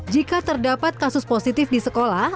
jika terdapat kasus positif di sekolah